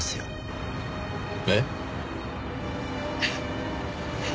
えっ？